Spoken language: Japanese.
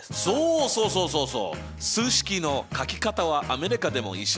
そうそうそうそうそう数式の書き方はアメリカでも一緒だよ。